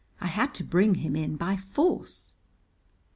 "I had to bring him in by force."